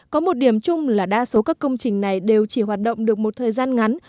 có một điểm chung là đa số các công trình này đều chỉ hoạt động được một thời gian ngắn